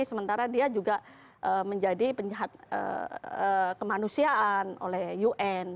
sementara dia juga menjadi penjahat kemanusiaan oleh un